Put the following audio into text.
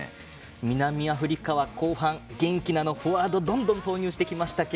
南アフリカは後半元気なフォワードどんどん投入してきましたが。